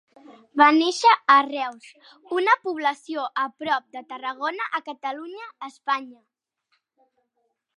Va néixer a Reus, una població a prop de Tarragona, a Catalunya, Espanya.